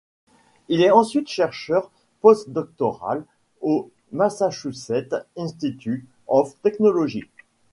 Il est ensuite chercheur postdoctoral au Massachusetts Institute of Technology.